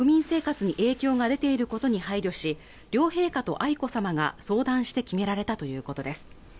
この中で国民生活に影響が出ていることに配慮し両陛下と愛子さまが相談して決められたということです